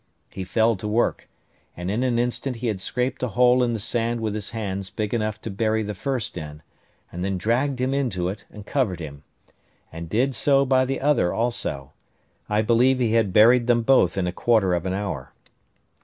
He fell to work; and in an instant he had scraped a hole in the sand with his hands big enough to bury the first in, and then dragged him into it, and covered him; and did so by the other also; I believe he had him buried them both in a quarter of an hour.